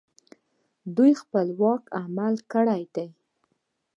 دوی خپلواک عمل کړی دی